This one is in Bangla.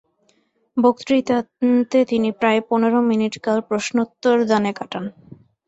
বক্তৃতান্তে তিনি প্রায় পনর মিনিট কাল প্রশ্নোত্তরদানে কাটান।